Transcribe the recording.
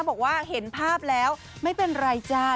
บอกว่าเห็นภาพแล้วไม่เป็นไรจ้า